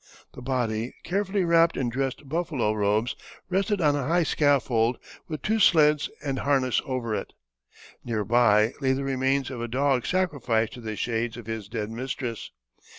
The body, carefully wrapped in dressed buffalo robes, rested on a high scaffold, with two sleds and harness over it. Nearby lay the remains of a dog sacrificed to the shades of his dead mistress.